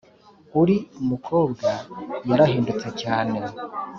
uri mukobwa yarahindutse cyane